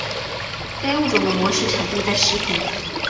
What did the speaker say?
该物种的模式产地在石屏。